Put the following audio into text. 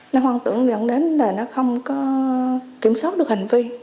nó hoang tưởng dẫn đến là nó không có kiểm soát được hành vi